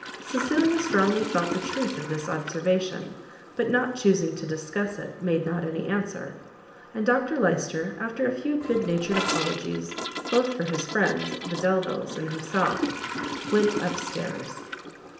Cecilia strongly felt the truth of this observation, but not chusing to discuss it, made not any answer, and Dr Lyster, after a few good natured apologies, both for his friends the Delviles and himself, went up stairs.